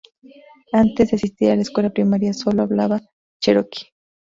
Antes de asistir a la escuela primaria, sólo hablaba cheroqui.